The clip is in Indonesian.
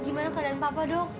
gimana keadaan papa dok